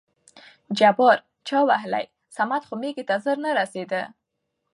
جبار: چا وهلى؟ صمد خو مېږي ته زر نه رسېده.